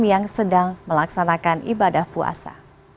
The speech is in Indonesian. yang sedang melaksanakan ibadah puasa